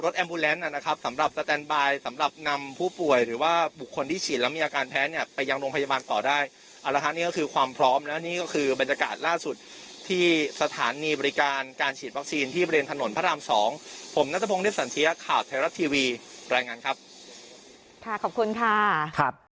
นะครับสำหรับสแตนบายสำหรับนำผู้ป่วยหรือว่าบุคคลที่ฉีดแล้วมีอาการแพ้เนี่ยไปยังโรงพยาบาลต่อได้เอาละค่ะนี่ก็คือความพร้อมแล้วนี่ก็คือบรรยากาศล่าสุดที่สถานีบริการการฉีดวัคซีนที่บริเวณถนนพระรามสองผมนัทพงศ์เรียบสันเทียข่าวไทยรัฐทีวีรายงานครับค่ะขอบคุณค่ะครับ